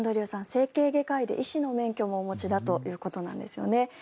整形外科医で医師の免許もお持ちだということなんですよね。